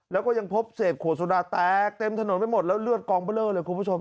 แล้วก็ยังพบเศษขวดโซดาแตกเต็มถนนไปหมดแล้วเลือดกองเบลอเลยคุณผู้ชม